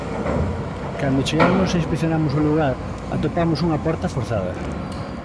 Cando chegamos e inspeccionamos o lugar atopamos unha porta forzada.